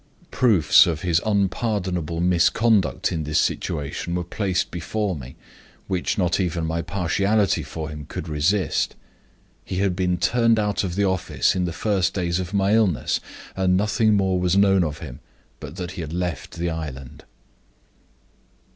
Proofs of his unpardonable misconduct in his situation were placed before me, which not even my partiality for him could resist. He had been turned out of the office in the first days of my illness, and nothing more was known of him but that he had left the island.